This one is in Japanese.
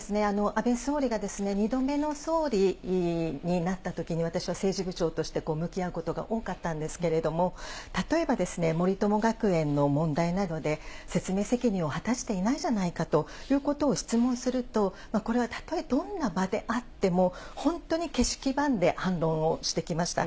安倍総理が２度目の総理になったときに、私は政治部長として向き合うことが多かったんですけれども、例えば森友学園の問題などで、説明責任を果たしていないじゃないかということを質問すると、これはたとえ、どんな場であっても本当に気色ばんで反論をしてきました。